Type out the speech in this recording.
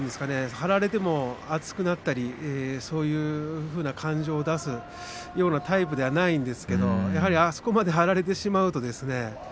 張られても熱くなったりそういうふうな感情を出すようなタイプではないんですけどやはりあそこまで張られてしまうとですね